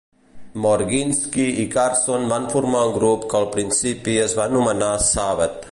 Morginsky i Carson van formar un grup que al principi es va anomenar Saved.